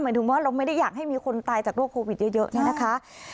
ถึงว่าเราไม่ได้อยากให้มีคนตายจากโรคโควิดเยอะเนี่ยนะคะ